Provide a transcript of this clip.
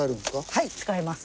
はい使えます。